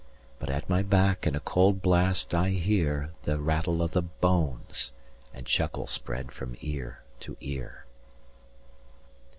But at my back in a cold blast I hear 185 The rattle of the bones, and chuckle spread from ear to ear.